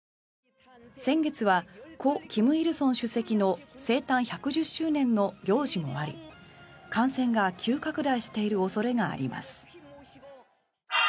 先月は故・金日成主席の生誕１１０周年の行事もあり感染が急拡大している恐れがあります。